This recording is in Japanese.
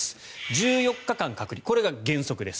１４日間隔離、これが原則です。